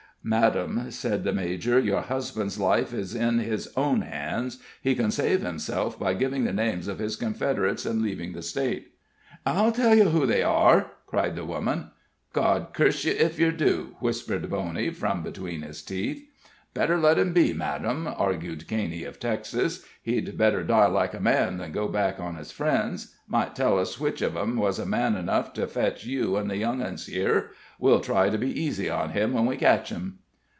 "Madam," said the major, "your husband's life is in his own hands. He can save himself by giving the names of his confederates and leaving the State." "I'll tell you who they are?" cried the woman. "God curse yer if yer do!" hissed Bowney from between his teeth. "Better let him be, madam," argued Caney, of Texas. He'd better die like a man than go back on his friends. Might tell us which of 'em was man enough to fetch you and the young uns here? We'll try to be easy on him when we ketch him."